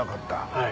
はい。